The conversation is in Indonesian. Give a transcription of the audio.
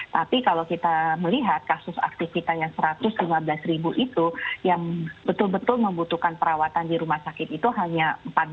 tapi kalau kita melihat kasus aktifitas yang satu ratus lima belas ribu itu yang betul betul membutuhkan perawatan di rumah sakit itu hanya empat belas